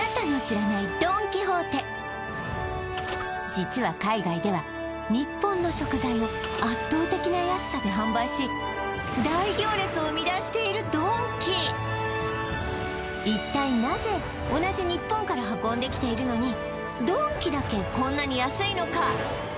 実は海外では日本の食材を圧倒的な安さで販売し一体なぜ同じ日本から運んできているのにドンキだけこんなに安いのか？